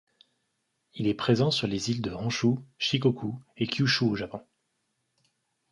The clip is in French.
Il est présent sur les îles de Honshu, Shikoku, et Kyushu au Japon.